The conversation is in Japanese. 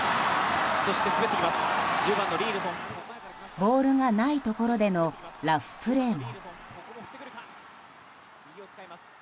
ボールがないところでのラフプレーも。